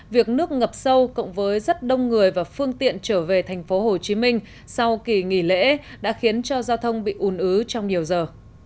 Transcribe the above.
việc nước ngập sâu cộng với rất đông người và phương tiện trở về thành phố hồ chí minh sau kỳ nghỉ lễ đã khiến cho giao thông bị ùn ứ trong nhiều giờ